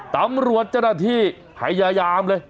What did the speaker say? ตำรวจจนาที่ไฮยายามเลย